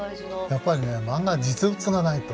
やっぱりねマンガは実物がないと。